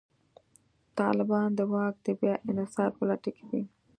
طالبان د واک د بیا انحصار په لټه کې دي.